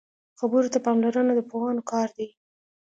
خبرو ته پاملرنه د پوهانو کار دی